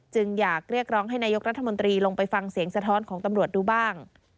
จึงอยากเรียกร้องให้นายกรัฐมนตรีลงไปฟังเสียงสะท้อนของตำรวจดูบ้าง